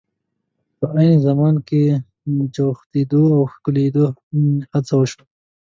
په عین زمان کې جوختېدو او ښکلېدو هڅه وشوه.